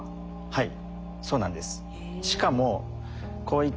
はい。